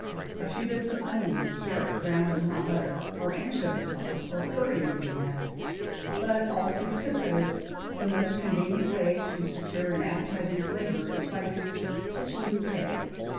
A few bits of onion and carrot browned in hot butter, or anchovy sauce or curry may be added; but, all things considered, the most convenient way to secure an appetizing flavor is by the use of "Kitchen Bouquet."